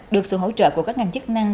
được sự hỗ trợ của các ngành chức năng